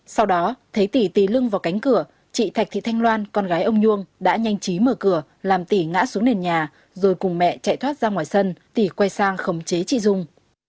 sau đó thấy tỷ tý lưng vào cánh cửa chị thạch thị thanh loan con gái ông nhuông đã nhanh chí mở cửa làm tỉ ngã xuống nền nhà rồi cùng mẹ chạy thoát ra ngoài sân tỷ quay sang khống chế chị dung